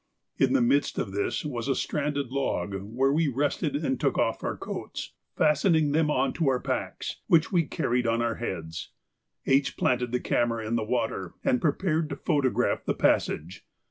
In the midst of this was a stranded log, where we rested and took off our coats, fastening them on to our packs, which we carried on our heads. H. planted the camera in the water, and prepared to photograph the passage.